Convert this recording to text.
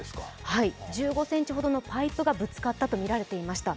１５ｃｍほどのパイプがぶつかったとみられていました。